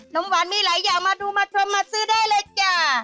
มหวานมีหลายอย่างมาดูมาชมมาซื้อได้เลยจ้า